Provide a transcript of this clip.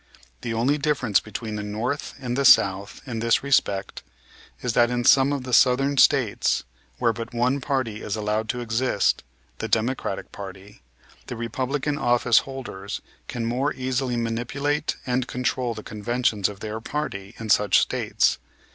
The only difference between the North and the South in this respect is that in some of the Southern States, where but one party is allowed to exist, the Democratic party, the Republican office holders can more easily manipulate and control the conventions of their party in such States.